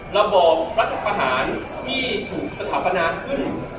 ระบอบรัฐประหารที่ถูกสถาปนาขึ้น